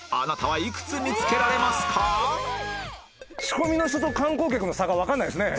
さあ仕込みの人と観光客の差がわかんないですね。